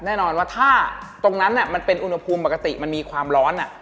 แน่นอนว่าถ้าตรงนั้นมันเป็นอุณหภูมิปกติมันมีความร้อน